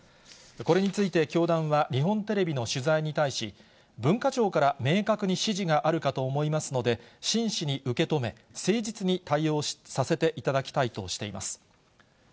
これについて教団は日本テレビの取材に対し、文化庁から明確に指示があるかと思いますので、真摯に受け止め、誠実に対応させていただきたいとしています。